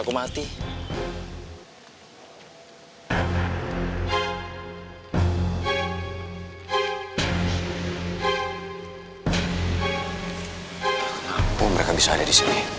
kenapa mereka bisa ada disini